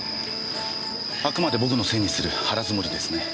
あくまで僕のせいにする腹積もりですね。